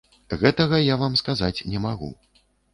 Гэтага я вам сказаць не магу.